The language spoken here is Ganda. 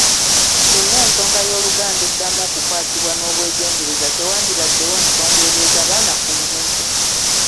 Singa ensonga y’oluganda eddamu okukwatibwa n’obwegendereza tewandibaddewo nsonga ebeeza baana ku nguudo.